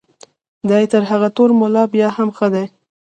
دی تر هغه تور ملا بیا هم ښه دی.